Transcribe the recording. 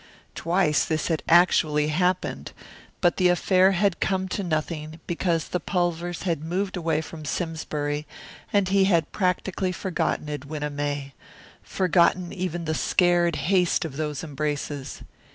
Twice this had actually happened, but the affair had come to nothing, because the Pulvers had moved away from Simsbury and he had practically forgotten Edwina May; forgotten even the scared haste of those embraces.